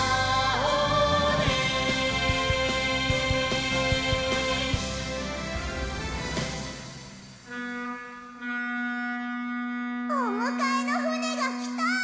ボッボッ！おむかえのふねがきた！